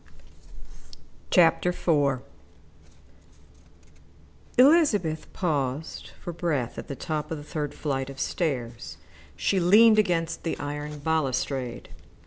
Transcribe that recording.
CHAPTER IV Elizabeth paused for breath at the top of the third flight of stairs. She leaned against the iron balustrade.